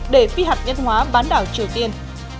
để phi hạt nhân hóa bán đảo triều tiên